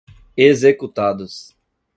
executados